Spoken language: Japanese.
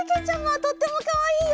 とってもかわいいよ！